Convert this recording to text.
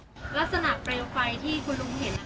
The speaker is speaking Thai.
ลักษณะเปลวไฟที่คุณลุงเห็น